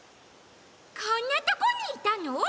こんなとこにいたの？